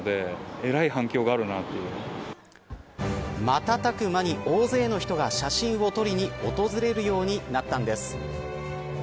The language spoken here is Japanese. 瞬く間に大勢の人が写真を撮りに訪れるようになったんです。